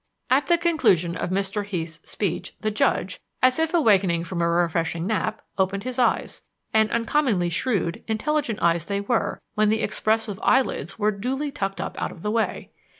At the conclusion of Mr. Heath's speech the judge, as if awakening from a refreshing nap, opened his eyes; and uncommonly shrewd, intelligent eyes they were when the expressive eyelids were duly tucked up out of the way.